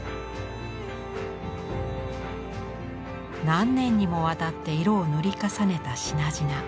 何年にもわたって色を塗り重ねた品々。